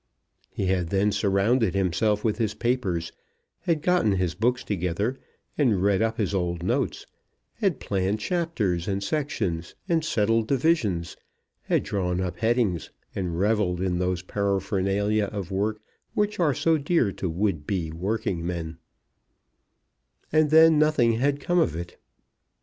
He had then surrounded himself with his papers, had gotten his books together and read up his old notes, had planned chapters and sections, and settled divisions, had drawn up headings, and revelled in those paraphernalia of work which are so dear to would be working men; and then nothing had come of it.